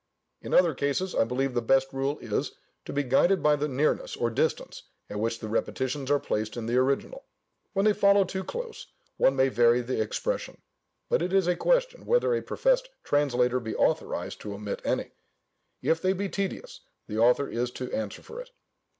In other cases, I believe the best rule is, to be guided by the nearness, or distance, at which the repetitions are placed in the original: when they follow too close, one may vary the expression; but it is a question, whether a professed translator be authorized to omit any: if they be tedious, the author is to answer for it.